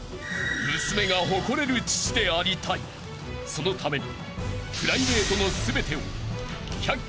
［そのために］